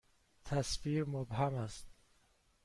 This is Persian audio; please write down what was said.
تصویر مبهم است.